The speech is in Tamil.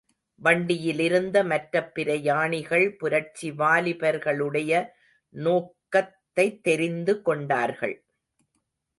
வண்டியிலிருந்த மற்றப் பிரயாணிகள் புரட்சி வாலிபர்களுடைய நோக்கத் தைத்தெரிந்து கொண்டார்கள்.